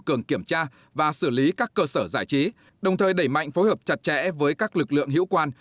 cường kiểm tra và xử lý các cơ sở giải trí đồng thời đẩy mạnh phối hợp chặt chẽ với các lực lượng hiệu quan